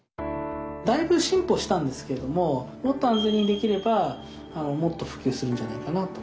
だいぶ進歩したんですけれどももっと安全にできればもっと普及するんじゃないかなと。